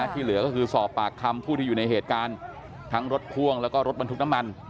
ที่เหลือก็คือสอบปากคำผู้ที่อยู่ในเหตุการณ์ทั้งรถพ่วงแล้วก็รถบรรทุกน้ำมัน